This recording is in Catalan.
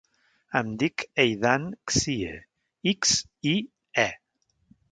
Em dic Eidan Xie: ics, i, e.